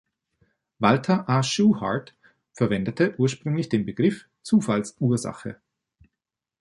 Walter A. Shewhart verwendete ursprünglich den Begriff „Zufallsursache“.